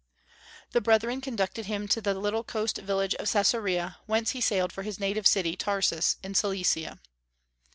The brethren conducted him to the little coast village of Caesarea, whence he sailed for his native city Tarsus, in Cilicia.